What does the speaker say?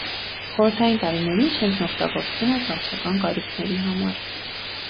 Խորհրդային տարիներին շենքն օգտագործվում էր վարչական կարիքների համար։